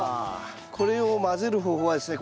これを混ぜる方法はですね